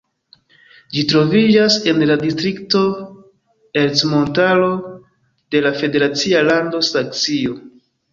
Ĝi troviĝas en la distrikto Ercmontaro de la federacia lando Saksio.